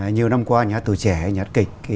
nhiều năm qua nhà tù trẻ nhà hát kịch